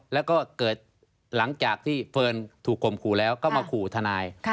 แล้วก็เกิดหลังจากที่เฟิร์นถูกข่มขู่แล้วก็มาขู่ทนาย